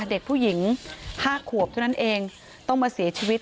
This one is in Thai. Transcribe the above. เด็กผู้หญิง๕ขวบเท่านั้นเองต้องมาเสียชีวิต